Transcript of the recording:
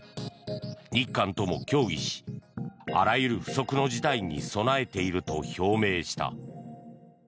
日韓とも協議しあらゆる不測の事態に備えていると表明した。